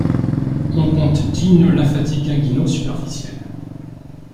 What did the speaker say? On compte dix noeuds lymphatiques inguinaux superficiels.